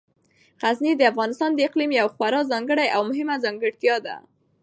غزني د افغانستان د اقلیم یوه خورا ځانګړې او مهمه ځانګړتیا ده.